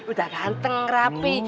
udah ganteng rapi